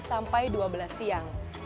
sampai dua belas siang